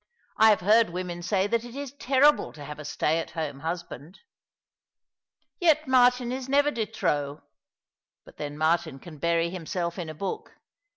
I have heard women say that it is terrible to have a stay at home husband. Yet Martin is never de trop — but then Martin can bury himself in a book.